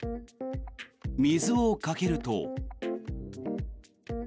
水をかけると。